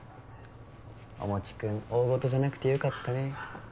おもち君大ごとじゃなくてよかったね